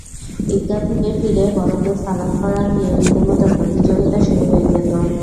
ঈদগাহ থেকে ফিরে বড়দের সালাম করা নিয়ে রীতিমতো প্রতিযোগিতা শুরু হয়ে যেত।